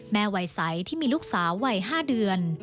วัยใสที่มีลูกสาววัย๕เดือน